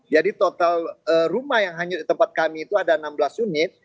jadi total rumah yang hanya di tempat kami itu ada enam belas unit